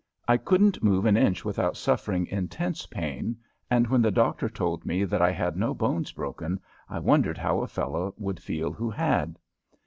I couldn't move an inch without suffering intense pain, and when the doctor told me that I had no bones broken I wondered how a fellow would feel who had.